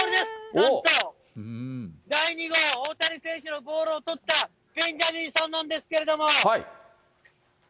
なんと第２号、大谷選手のボールを取った、ベンジャミンさんなんですけども。